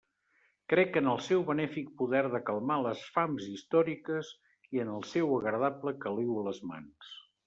Crec en el seu benèfic poder de calmar les fams històriques i en el seu agradable caliu a les mans.